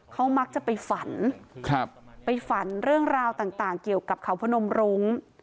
เขามักจะไปฝันครับไปฝันเรื่องราวต่างเกี่ยวกับเขาพนมรุ้ง